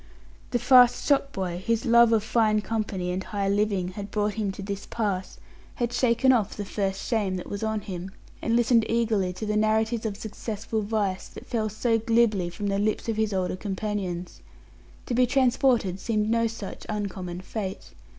The fast shopboy whose love of fine company and high living had brought him to this pass, had shaken off the first shame that was on him, and listened eagerly to the narratives of successful vice that fell so glibly from the lips of his older companions. To be transported seemed no such uncommon fate.